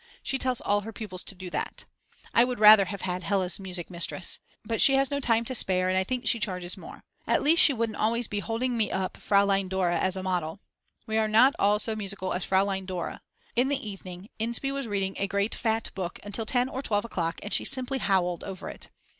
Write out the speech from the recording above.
She tells all her pupils to do that. I would rather have had Hella's music mistress. But she has no time to spare and I think she charges more. At least she wouldn't always be holding me up "Fraulein Dora" as a model. We are not all so musical as Fraulein Dora. In the evening Inspee was reading a great fat book until 10 or 12 o clock and she simply howled over it.